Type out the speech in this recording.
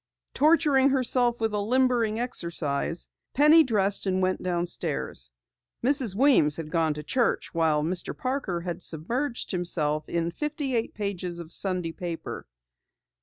Torturing herself with a limbering exercise, Penny dressed and went downstairs. Mrs. Weems had gone to church while Mr. Parker had submerged himself in fifty eight pages of Sunday paper.